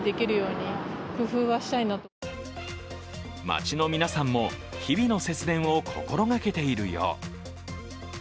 街の皆さんも日々の節電を心がけているよう。